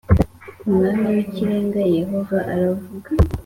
Umwami w ikirenga yehova aravuga